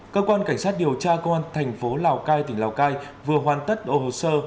cơ quan cảnh sát điều tra công an thành phố lào cai tỉnh lào cai vừa hoàn tất hồ sơ